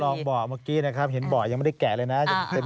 บ่อเมื่อกี้นะครับเห็นบ่อยังไม่ได้แกะเลยนะ